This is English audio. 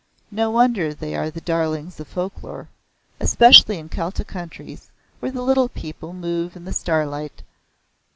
No wonder they are the darlings of folklore, especially in Celtic countries where the Little People move in the starlight.